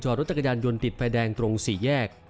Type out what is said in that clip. รถจักรยานยนต์ติดไฟแดงตรงสี่แยก